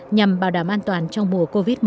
nhằm bảo đảm an toàn trong mùa covid một mươi chín